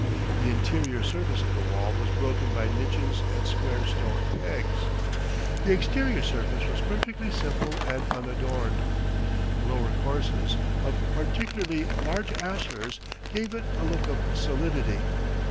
The interior surface of the wall was broken by niches and square stone pegs. The exterior surface was perfectly simple and unadorned. The lower courses, of particularly large ashlars, gave it a look of solidity.